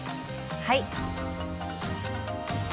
はい。